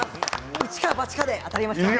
一か八かで当たりました。